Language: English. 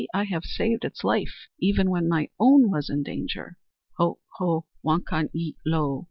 I have saved its life, even when my own was in danger." "Ho, ho, wakan ye lo!